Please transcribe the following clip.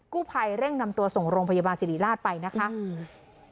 กู้ภัยเร่งนำตัวส่งโรงพยาบาลสิริราชไปนะคะอืม